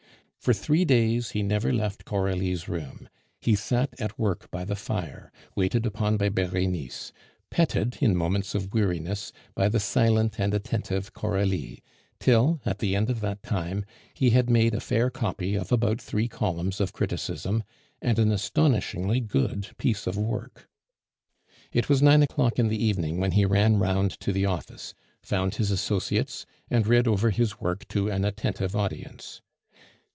For three days he never left Coralie's room; he sat at work by the fire, waited upon by Berenice; petted, in moments of weariness, by the silent and attentive Coralie; till, at the end of that time, he had made a fair copy of about three columns of criticism, and an astonishingly good piece of work. It was nine o'clock in the evening when he ran round to the office, found his associates, and read over his work to an attentive audience.